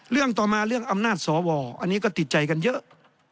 เรื่องต่อมาเรื่องอำนาจสวอันนี้ก็ติดใจกันเยอะ